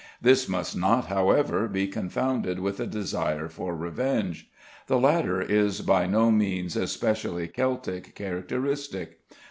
This must not however be confounded with a desire for revenge. The latter is by no means a specially Celtic characteristic.